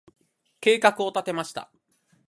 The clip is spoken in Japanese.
計画を立てました。